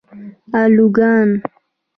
الوگان